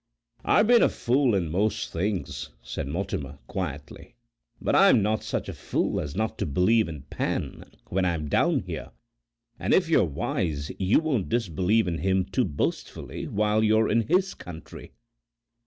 "I've been a fool in most things," said Mortimer quietly, "but I'm not such a fool as not to believe in Pan when I'm down here. And if you're wise you won't disbelieve in him too boastfully while you're in his country."